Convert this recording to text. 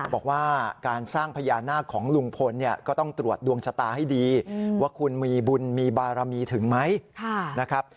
บอกว่าการสร้างพญานาคของลุงพลเนี่ยก็ต้องตรวจดวงชะตาให้ดีว่าคุณมีบุญมีบารมีถึงไหมนะครับ